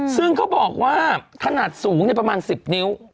ซึ่งเขาบอกว่าขนาดสูงประมาณ๑๐นิ้ว